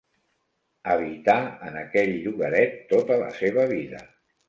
Habità en aquell llogaret tota la seva vida.